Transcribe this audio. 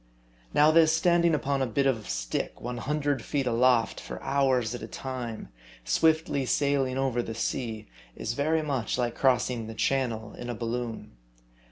Now this standing upon a bit of stick 100 feet aloft for hours at a time, swiftly sailing over the sea, is very much like crossing the Channel in a balloon.